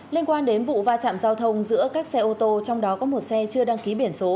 liên quan đến vụ va chạm giao thông giữa các xe ô tô trong đó có một xe chưa đăng ký biển số